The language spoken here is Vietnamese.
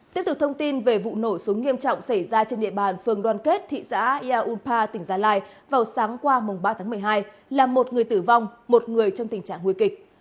tiếp tục thông tin về vụ nổ súng nghiêm trọng xảy ra trên địa bàn phường đoàn kết thị xã yà unpa tỉnh gia lai vào sáng qua ba tháng một mươi hai làm một người tử vong một người trong tình trạng nguy kịch